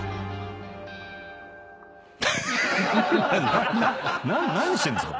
な何してんですか？